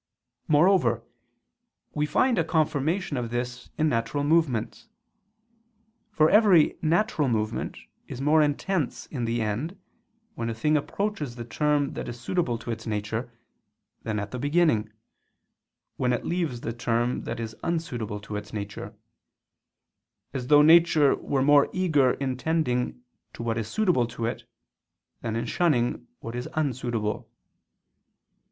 Moreover we find a confirmation of this in natural movements. For every natural movement is more intense in the end, when a thing approaches the term that is suitable to its nature, than at the beginning, when it leaves the term that is unsuitable to its nature: as though nature were more eager in tending to what is suitable to it, than in shunning what is unsuitable.